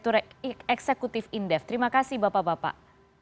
terima kasih bapak bapak